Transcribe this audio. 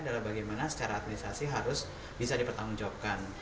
adalah bagaimana secara administrasi harus bisa dipertanggungjawabkan